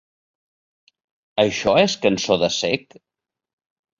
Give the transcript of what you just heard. Això és cançó de cec?